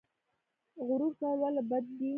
غرور کول ولې بد دي؟